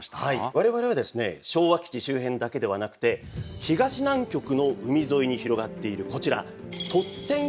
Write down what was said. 我々はですね昭和基地周辺だけではなくて東南極の海沿いに広がっているこちらトッテン